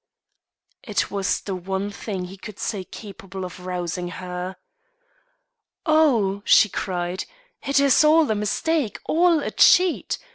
It was the one thing he could say capable of rousing her. "Oh!" she cried, "it is all a mistake, all a cheat.